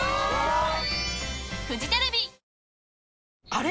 あれ？